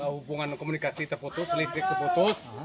hubungan komunikasi terfotos selisih terfotos